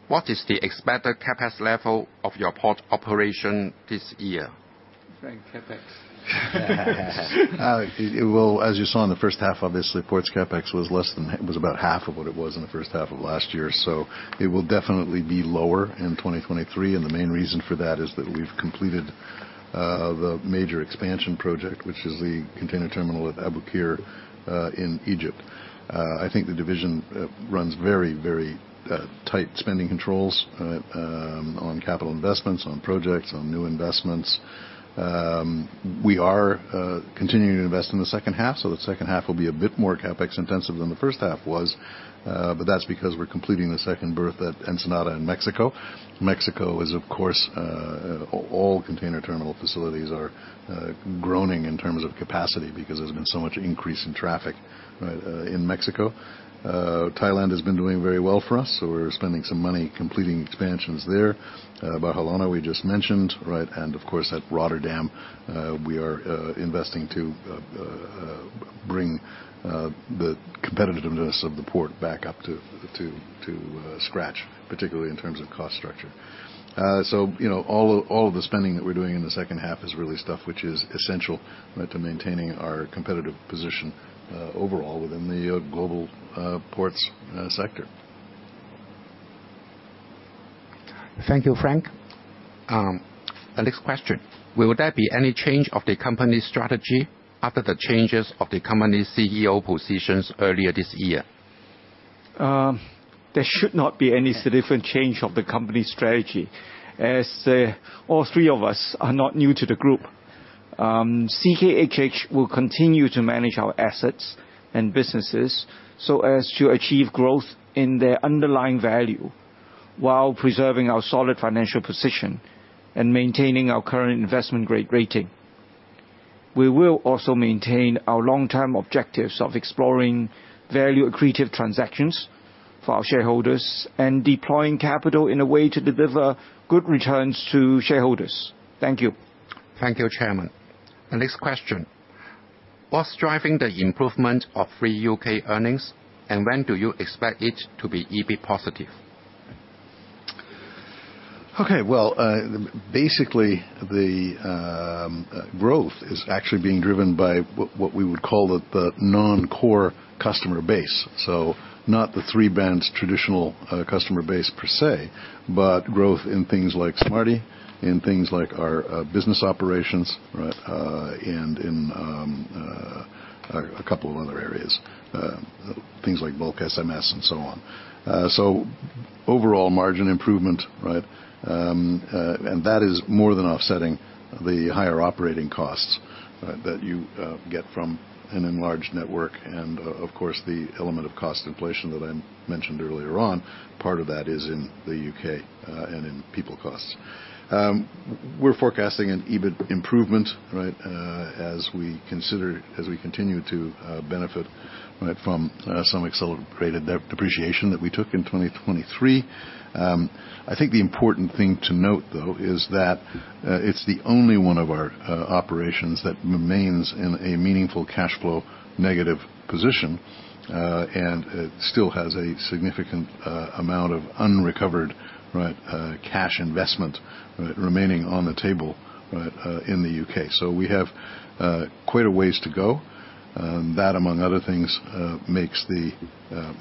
What is the expected CapEx level of your port operation this year? Frank, CapEx. It will, as you saw in the first half, obviously, port's CapEx was less than-- it was about half of what it was in the first half of last year. So it will definitely be lower in 2023, and the main reason for that is that we've completed the major expansion project, which is the container terminal at Abu Qir in Egypt. I think the division runs very, very tight spending controls on capital investments, on projects, on new investments. We are continuing to invest in the second half, so the second half will be a bit more CapEx-intensive than the first half was, but that's because we're completing the second berth at Ensenada in Mexico. Mexico is, of course, all container terminal facilities are groaning in terms of capacity because there's been so much increase in traffic in Mexico. Thailand has been doing very well for us, so we're spending some money completing expansions there. Barcelona, we just mentioned, right? And of course, at Rotterdam, we are investing to bring the competitiveness of the port back up to scratch, particularly in terms of cost structure. So, you know, all of the spending that we're doing in the second half is really stuff which is essential, right, to maintaining our competitive position overall within the global ports sector. Thank you, Frank. The next question: Will there be any change of the company's strategy after the changes of the company's CEO positions earlier this year? There should not be any significant change of the company's strategy, as all three of us are not new to the group. CKHH will continue to manage our assets and businesses so as to achieve growth in their underlying value, while preserving our solid financial position and maintaining our current investment-grade rating. We will also maintain our long-term objectives of exploring value-accretive transactions for our shareholders and deploying capital in a way to deliver good returns to shareholders. Thank you. Thank you, Chairman. The next question: What's driving the improvement of Three UK earnings, and when do you expect it to be EBIT positive? Okay, well, basically, the growth is actually being driven by what we would call the non-core customer base. So not the Three brand's traditional customer base per se, but growth in things like SMARTY, in things like our business operations, right, and in a couple of other areas, things like bulk SMS and so on. So overall margin improvement, right? And that is more than offsetting the higher operating costs that you get from an enlarged network and, of course, the element of cost inflation that I mentioned earlier on. Part of that is in the U.K. and in people costs. We're forecasting an EBIT improvement, right, as we continue to benefit, right, from some accelerated depreciation that we took in 2023. I think the important thing to note, though, is that it's the only one of our operations that remains in a meaningful cash flow negative position, and it still has a significant amount of unrecovered, right, cash investment remaining on the table, right, in the UK. So we have quite a ways to go. That, among other things, makes the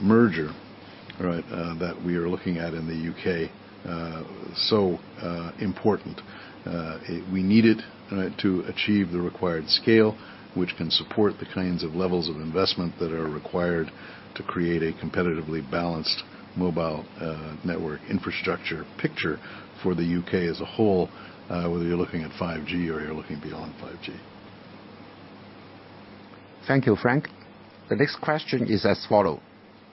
merger, right, that we are looking at in the UK, so important. We need it, right, to achieve the required scale, which can support the kinds of levels of investment that are required to create a competitively balanced mobile network infrastructure picture for the UK as a whole, whether you're looking at 5G or you're looking beyond 5G. Thank you, Frank. The next question is as follow: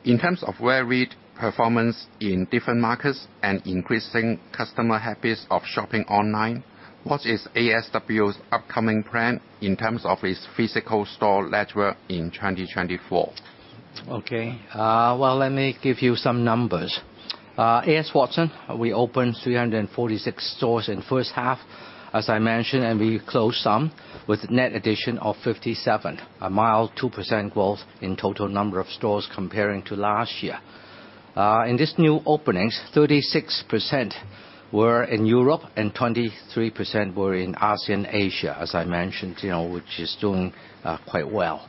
In terms of varied performance in different markets and increasing customer habits of shopping online, what is ASW's upcoming plan in terms of its physical store network in 2024?Okay. Well, let me give you some numbers. AS Watson, we opened 346 stores in first half, as I mentioned, and we closed some, with net addition of 57, a mild 2% growth in total number of stores comparing to last year. In this new openings, 36% were in Europe and 23% were in ASEAN Asia, as I mentioned, you know, which is doing quite well.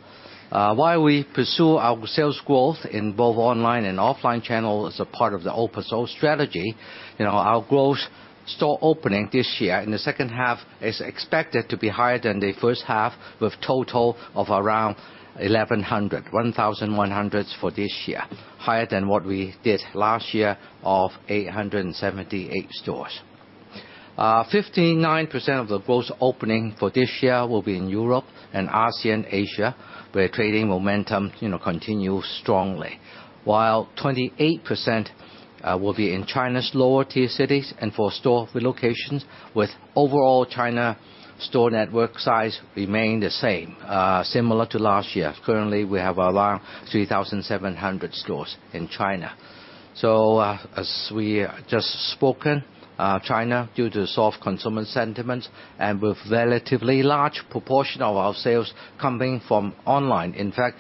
While we pursue our sales growth in both online and offline channel as a part of the O+O strategy 59% of the gross opening for this year will be in Europe and ASEAN Asia, where trading momentum, you know, continues strongly, while 28%, will be in China's lower tier cities and for store relocations, with overall China store network size remain the same, similar to last year. Currently, we have around 3,700 stores in China. So, as we just spoken, China, due to soft consumer sentiments and with relatively large proportion of our sales coming from online. In fact,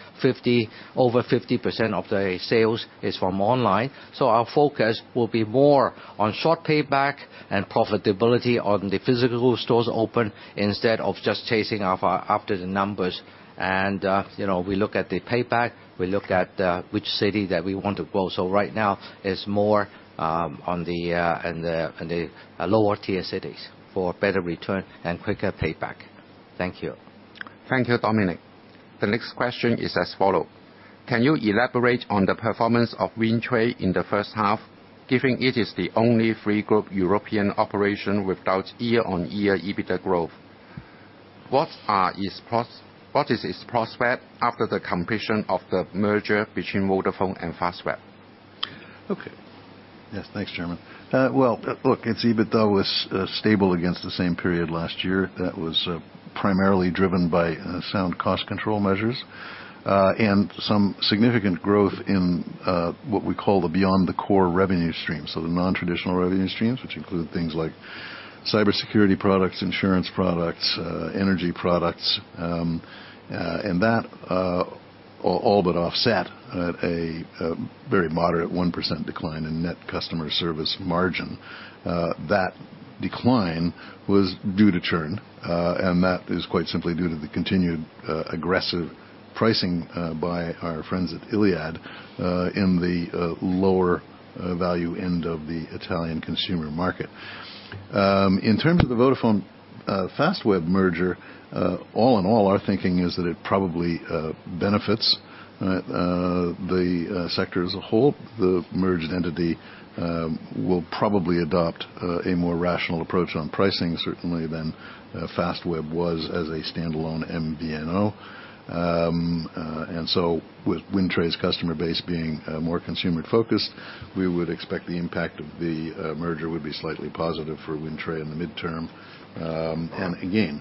over 50% of the sales is from online. So our focus will be more on short payback and profitability on the physical stores open, instead of just chasing up our, after the numbers. And, you know, we look at the payback, we look at, which city that we want to grow. So right now it's more in the lower tier cities for better return and quicker payback.... Thank you. Thank you, Dominic. The next question is as follows: Can you elaborate on the performance of Wind Tre in the first half, given it is the only Three Group European operation without year-on-year EBITDA growth? What are its prospects after the completion of the merger between Vodafone and Fastweb? Okay. Yes, thanks, Chairman. Well, look, its EBITDA was stable against the same period last year. That was primarily driven by sound cost control measures, and some significant growth in what we call the beyond the core revenue stream, so the nontraditional revenue streams, which include things like cybersecurity products, insurance products, energy products. And that all but offset a very moderate 1% decline in net customer service margin. That decline was due to churn, and that is quite simply due to the continued aggressive pricing by our friends at Iliad in the lower value end of the Italian consumer market. In terms of the Vodafone Fastweb merger, all in all, our thinking is that it probably benefits the sector as a whole. The merged entity will probably adopt a more rational approach on pricing, certainly, than Fastweb was as a standalone MVNO. And so with Wind Tre's customer base being more consumer focused, we would expect the impact of the merger would be slightly positive for Wind Tre in the midterm. And again,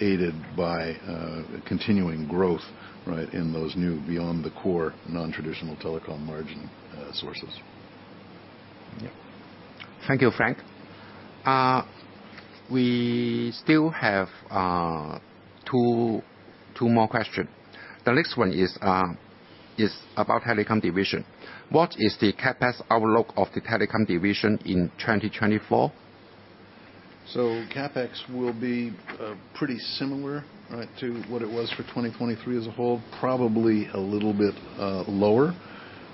aided by continuing growth, right, in those new beyond the core, nontraditional telecom margin sources. Yeah. Thank you, Frank. We still have two more question. The next one is about Telecom division. What is the CapEx outlook of the Telecom division in 2024? So CapEx will be pretty similar, right, to what it was for 2023 as a whole, probably a little bit lower.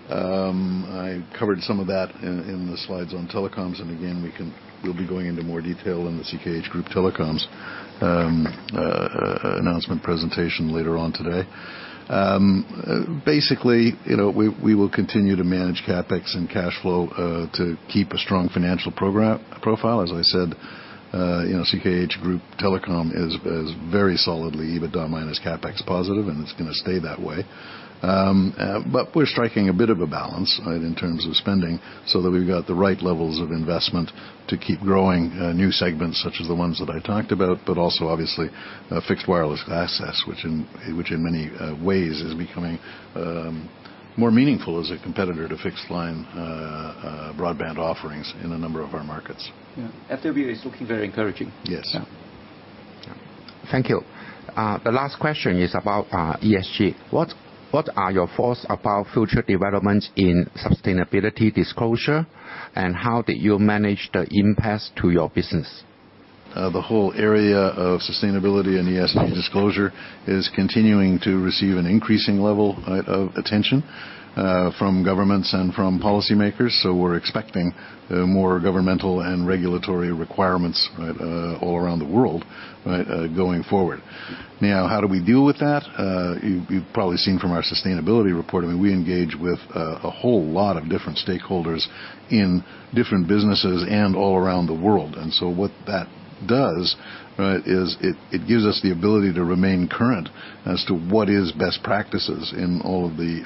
I covered some of that in the slides on telecoms, and again, we'll be going into more detail in the CKH Group Telecoms announcement presentation later on today. Basically, you know, we will continue to manage CapEx and cash flow to keep a strong financial profile. As I said, you know, CKH Group Telecom is very solidly EBITDA minus CapEx positive, and it's gonna stay that way. But we're striking a bit of a balance, right, in terms of spending, so that we've got the right levels of investment to keep growing new segments, such as the ones that I talked about, but also obviously fixed wireless access, which in many ways is becoming more meaningful as a competitor to fixed line broadband offerings in a number of our markets. Yeah. FWA is looking very encouraging. Yes. Yeah. Thank you. The last question is about ESG. What are your thoughts about future developments in sustainability disclosure, and how did you manage the impact to your business? The whole area of sustainability and ESG disclosure is continuing to receive an increasing level of attention from governments and from policymakers, so we're expecting more governmental and regulatory requirements, right, all around the world, right, going forward. Now, how do we deal with that? You've probably seen from our sustainability report, I mean, we engage with a whole lot of different stakeholders in different businesses and all around the world. And so what that does, right, is it gives us the ability to remain current as to what is best practices in all of the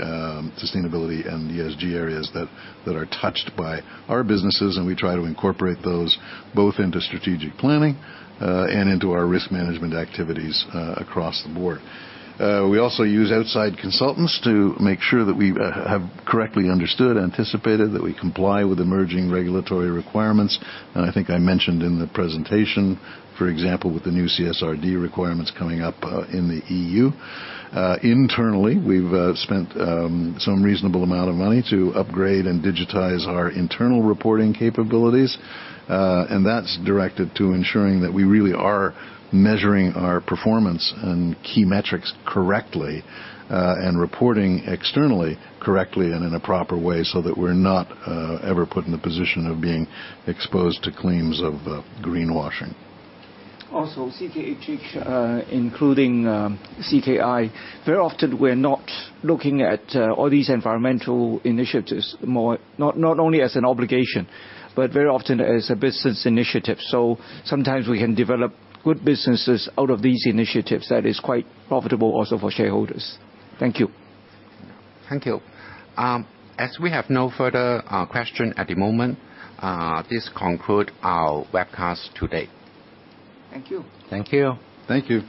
sustainability and ESG areas that are touched by our businesses, and we try to incorporate those both into strategic planning and into our risk management activities across the board. We also use outside consultants to make sure that we have correctly understood, anticipated, that we comply with emerging regulatory requirements, and I think I mentioned in the presentation, for example, with the new CSRD requirements coming up in the EU. Internally, we've spent some reasonable amount of money to upgrade and digitize our internal reporting capabilities, and that's directed to ensuring that we really are measuring our performance and key metrics correctly and reporting externally correctly and in a proper way, so that we're not ever put in the position of being exposed to claims of greenwashing. Also, CKH, including CKI, very often we're not looking at all these environmental initiatives not only as an obligation, but very often as a business initiative. So sometimes we can develop good businesses out of these initiatives that is quite profitable also for shareholders. Thank you. Thank you. As we have no further question at the moment, this conclude our webcast today. Thank you. Thank you. Thank you.